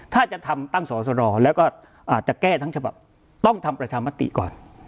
ถ้าจะทำตั้งสอสรแล้วก็อาจจะแก้ทั้งฉบับต้องทำประชามติก่อน